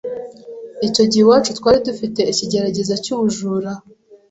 Icyo gihe iwacu twari dufite ikigeragezo cy’ubujura: